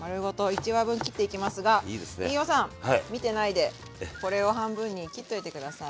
１ワ分切っていきますが飯尾さん見てないでこれを半分に切っといて下さい。